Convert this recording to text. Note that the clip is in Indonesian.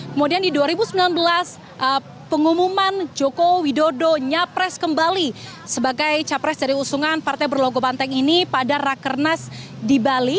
kemudian di dua ribu sembilan belas pengumuman joko widodo nyapres kembali sebagai capres dari usungan partai berlogo banteng ini pada rakernas di bali